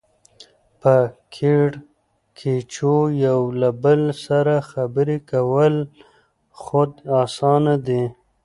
په کېړکیچو یو له بله سره خبرې کول خود اسانه دي